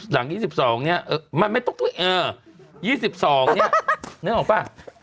หลัง๒๒เนี่ยมันไม่ต้องเออ๒๒เนี่ยนึกออกป่ะ